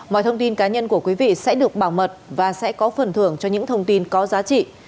mọi thông tin cá nhân của quý vị sẽ được bảo mật và sẽ có phần thưởng cho những thông tin có giá trị